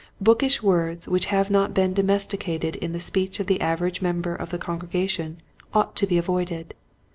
Bookish words which have not been domesticated in the speech of the average member of the congregation ought to be avoided.